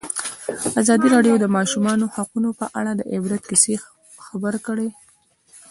ازادي راډیو د د ماشومانو حقونه په اړه د عبرت کیسې خبر کړي.